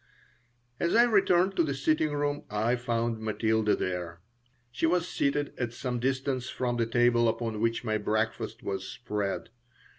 As I returned to the sitting room I found Matilda there. She was seated at some distance from the table upon which my breakfast was spread.